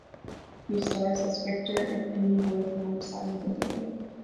He stars as Victor in indie horror film "Silent But Deadly".